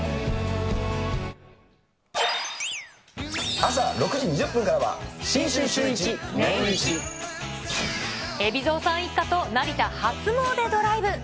朝６時２０分からは、海老蔵さん一家と成田初詣ドライブ。